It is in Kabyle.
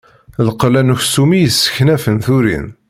D lqella n uksum i yesseknafen turin.